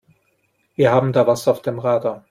Wir haben da was auf dem Radar.